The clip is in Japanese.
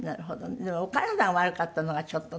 でもお体が悪かったのがちょっとね。